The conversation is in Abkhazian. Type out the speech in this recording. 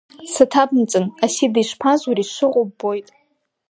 Саҭабымҵан, Асида, ишԥазури, сшыҟоу ббоит…